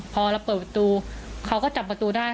พอเราเปิดประตูเขาก็จับประตูได้